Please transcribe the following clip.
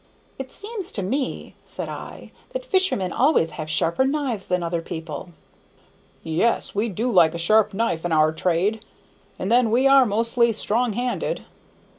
"It seems to me," said I, "that fishermen always have sharper knives than other people." "Yes, we do like a sharp knife in our trade; and then we are mostly strong handed."